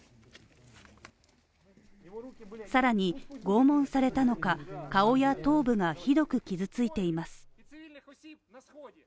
更に、拷問されたのか顔や頭部がひどく傷ついています。